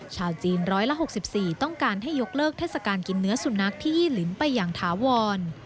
ชาวจีน๑๖๔ต้องการให้ยกเลิกเทศกาลกินเนื้อสุนัขที่ยี่ลิ้นไปอย่างถาวร